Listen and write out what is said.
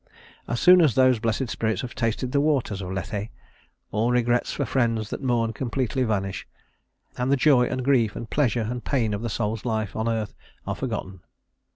As soon as those blessed spirits have tasted of the waters of Lethe, all regrets for friends that mourn completely vanish, and the joy and grief, and pleasure and pain of the soul's life on earth are forgotten.